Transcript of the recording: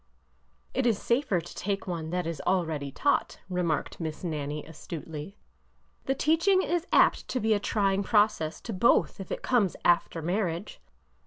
It is safer to take one that is already taught," re marked Miss Nannie, astutely. The teaching is apt to be a trying process to both if it comes after marriage.